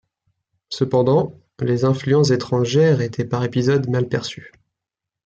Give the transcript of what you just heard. Cependant, les influences étrangères étaient par épisodes mal perçues.